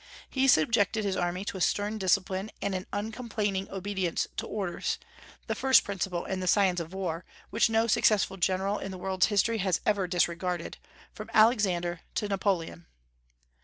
He subjected his army to a stern discipline and an uncomplaining obedience to orders, the first principle in the science of war, which no successful general in the world's history has ever disregarded, from Alexander to Napoleon.